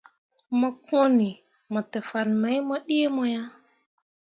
Mo kõoni mo te fah mai mu ɗii mo ah.